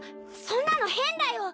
そんなの変だよ